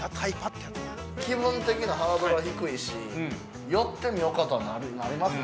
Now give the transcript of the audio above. ◆気分的なハードルは低いし寄ってみようかとはなりますね。